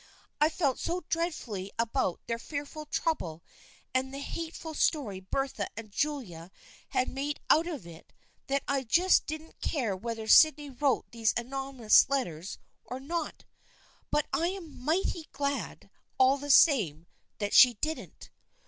I felt so dreadfully about their fearful trouble and the hate ful story Bertha and Julia had made out of it that I just didn't care whether Sydney wrote those anonymous letters or not — but I am mighty glad all the same that she didn't."